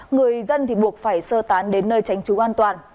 người dân buộc phải sơ tán đến nơi tránh trú an toàn